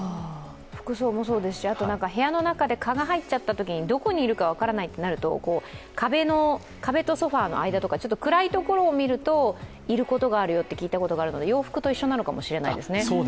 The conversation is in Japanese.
服装もそうですし、あと、部屋の中で蚊が入ったときどこにいるか分からないってなると壁とソファの間とか、暗いところを見るといることがあるよと聞いたことがあるから、洋服と一緒なのかもしれないですね。